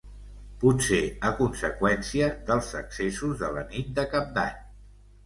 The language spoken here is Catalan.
Potser a conseqüència dels excessos de la nit de cap d’any.